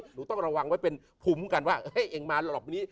หนูต้องระวังไว้เป็นภูมิกันว่าเองมารอบนี้